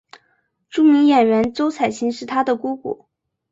著名演员周采芹是她的姑姑。